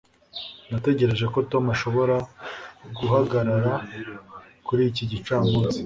natekereje ko tom ashobora guhagarara kuri iki gicamunsi